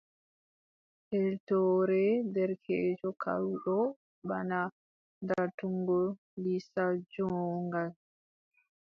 Eltoore derkeejo kalluɗo bana dartungo lisal joorngal.